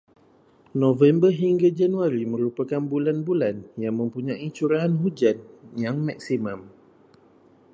November hingga Januari merupakan bulan-bulan yang mempunyai curahan hujan yang maksimum.